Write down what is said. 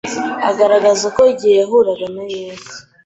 Agaragaza ko igihe yahuraga na Yesu